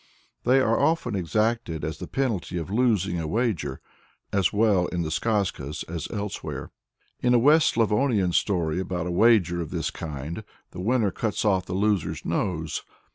They are often exacted as the penalty of losing a wager, as well in the Skazkas as elsewhere. In a West Slavonian story about a wager of this kind, the winner cuts off the loser's nose.